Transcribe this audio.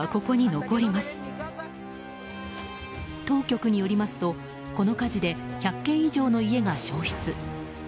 当局によりますとこの火事で１００軒以上の家が焼失。